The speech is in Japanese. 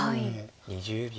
２０秒。